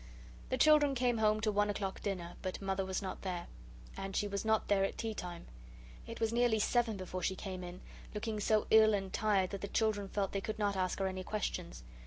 The children came home to one o'clock dinner, but Mother was not there. And she was not there at tea time. It was nearly seven before she came in, looking so ill and tired that the children felt they could not ask her any questions.